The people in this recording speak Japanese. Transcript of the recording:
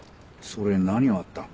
それ何があったん？